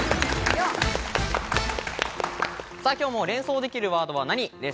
今日も「連想できるワードは何！？」です。